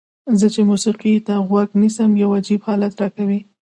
زه چې موسیقۍ ته غوږ نیسم یو عجیب حالت راکوي.